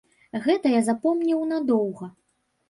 Гэта я запомніў надоўга.